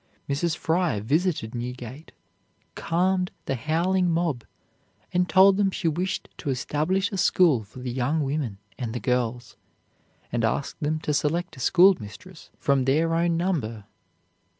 Mrs. Fry visited Newgate, calmed the howling mob, and told them she wished to establish a school for the young women and the girls, and asked them to select a schoolmistress from their own number.